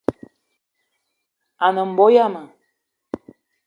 A ne mbo yama